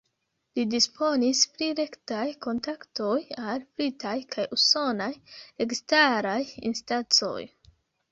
Li disponis pri rektaj kontaktoj al britaj kaj usonaj registaraj instancoj.